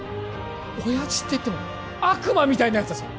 親父っていっても悪魔みたいなやつだぞ